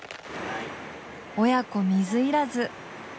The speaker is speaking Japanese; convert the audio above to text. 親子水入らず。